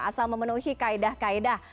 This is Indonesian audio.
asal memenuhi kaedah kaedah